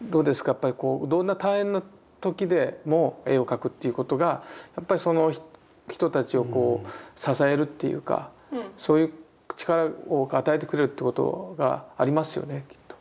やっぱりこうどんな大変な時でも絵を描くということがやっぱりその人たちをこう支えるというかそういう力を与えてくれるってことがありますよねきっと。